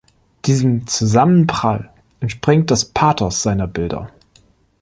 Diesem Zusammenprall entspringt das Pathos seiner Bilder.